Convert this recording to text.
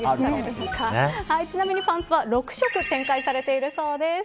ちなみにパンツは６色展開されているそうです。